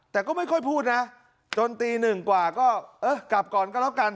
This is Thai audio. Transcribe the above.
แต่ก็ไม่ค่อยพูดนะจนตีหนึ่งกว่าก็เออกลับก่อนก็แล้วกัน